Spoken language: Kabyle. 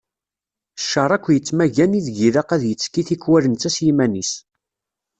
Cceṛ akk yettmaggan ideg ilaq ad yettekki tikwal netta s yiman-is.